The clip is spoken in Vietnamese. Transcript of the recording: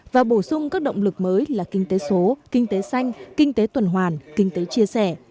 và bổ sung các động lực mới là kinh tế số kinh tế xanh kinh tế tuần hoàn kinh tế chia sẻ